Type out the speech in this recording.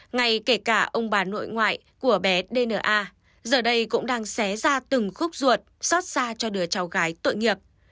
ngay kể cả ông bà nội ngoại của bé dna giờ đây cũng đang xé ra từng khúc ruột xót xa cho đứa cháu gái tội nghiệp